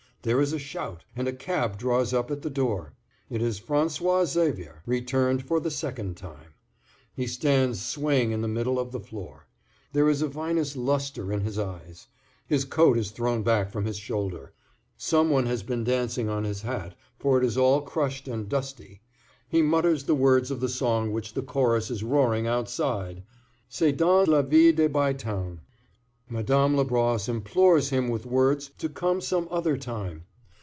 There is a shout, and a cab draws up at the door. It is François Xavier, returned for the second time. He stands swaying in the middle of the floor. There is a vinous lustre in his eyes. His coat is thrown back from his shoulder. Some one has been dancing on his hat, for it is all crushed and dusty. He mutters the words of the song which the chorus is roaring outside—"C'est dans la vill' de Bytown." Madame Labrosse implores him with words to come some other time.